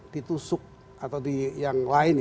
ditusuk atau yang lain